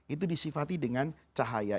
itu disifati dengan cahaya